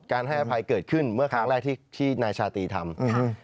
ให้อภัยเกิดขึ้นเมื่อครั้งแรกที่นายชาตรีทำ